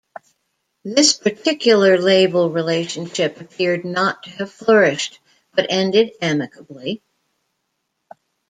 This particular label relationship appeared not to have flourished, but ended amicably.